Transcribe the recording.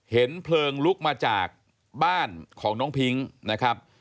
เพลิงลุกมาจากบ้านของน้องพิ้งนะครับ